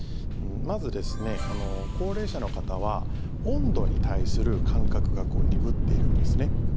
まず、高齢者の方は温度に対する感覚が鈍っているんですね。